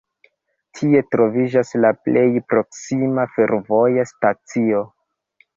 Tie troviĝas la plej proksima fervoja stacio.